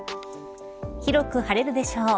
広く晴れるでしょう。